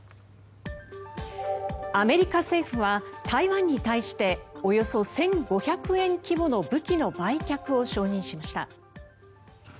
アメリカ政府は台湾に対しておよそ１５００億円規模の武器の売却を承認しました。